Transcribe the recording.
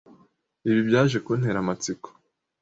Ibi byaje kuntera amatsiko